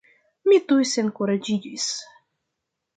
Mi tuj senkuraĝiĝis.